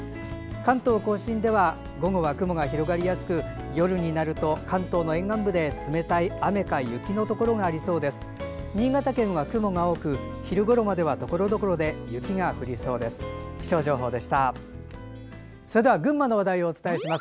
関東・甲信では午後は雲が広がりやすく夜になると関東の沿岸部で冷たい雨か雪の降るところがありそうです。